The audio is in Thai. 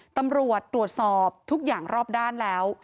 ตำรวจตรวจสอบทุกอย่างรอบด้านแล้ว